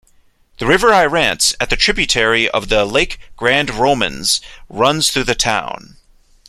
The river Irance, at tributary of the lake Grand Romans, runs through the town.